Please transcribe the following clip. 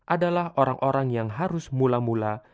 adalah orang orang yang harus mula mula